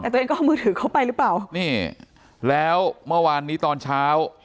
แต่ตัวเองก็เอามือถือเข้าไปหรือเปล่านี่แล้วเมื่อวานนี้ตอนเช้า